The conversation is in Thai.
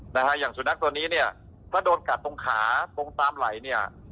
นะฮะอย่างสุนัขตัวนี้เนี่ยถ้าโดนกัดตรงขาตรงตามไหลเนี่ย